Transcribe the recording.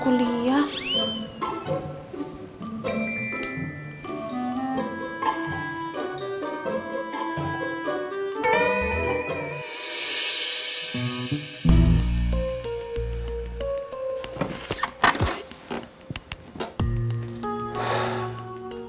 kok kalungnya gak ada